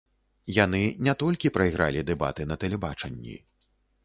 Яны не толькі прайгралі дэбаты на тэлебачанні.